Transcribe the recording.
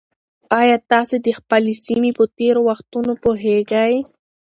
ایا تاسي د خپلې سیمې په تېرو وختونو پوهېږئ؟